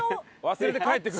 忘れて帰ってくる。